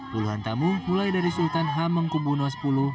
puluhan tamu mulai dari sultan hamengkubwono x